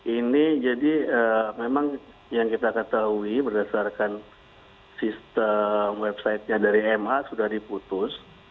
ini jadi memang yang kita ketahui berdasarkan sistem websitenya dari ma sudah diputus